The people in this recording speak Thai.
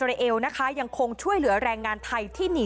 และก็จับกลุ่มฮามาสอีก๒๖คน